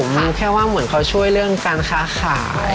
มาแค่ว่าเหมือนเขาช่วยเรื่องการค้าขาย